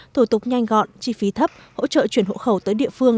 thủ tục nhanh gọn chi phí thấp hỗ trợ chuyển hộ khẩu tới địa phương